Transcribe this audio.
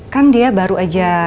kan dia baru aja